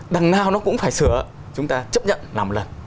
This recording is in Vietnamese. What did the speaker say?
đằng nào nó cũng phải sửa chúng ta chấp nhận làm lần